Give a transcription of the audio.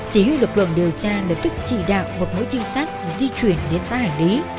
chỉ huy lực luận điều tra lực tức chỉ đạo một mối trinh sát di chuyển đến xã hải lý